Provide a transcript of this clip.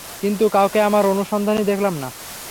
কিন্তু কাউকে আমার অনুসন্ধানী দেখলাম না।